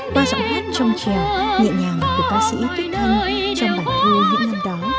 qua giọng hát trong trèo nhẹ nhàng của ca sĩ tuyết thanh trong bản thư việt nam đó